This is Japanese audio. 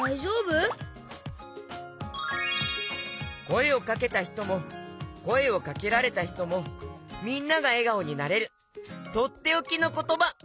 こえをかけたひともこえをかけられたひともみんながえがおになれるとっておきのことば！